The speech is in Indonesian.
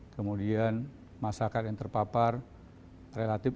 kemudian masyarakat yang terpapar relatif